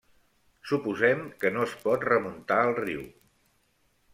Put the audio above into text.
Suposem que no es pot remuntar el riu.